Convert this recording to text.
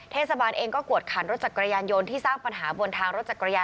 เทศบาลเองก็กวดขันรถจักรยานยนต์ที่สร้างปัญหาบนทางรถจักรยาน